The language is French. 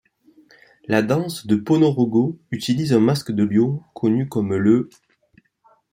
La danse de Ponorogo utilise un masque de lion connu comme le '.